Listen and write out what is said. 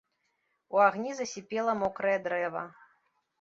У агні засіпела мокрае дрэва.